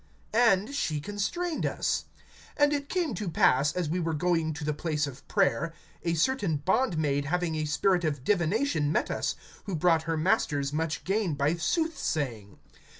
And she constrained us. (16)And it came to pass, as we were going to the place of prayer, a certain bondmaid having a spirit of divination met us, who brought her masters much gain by soothsaying.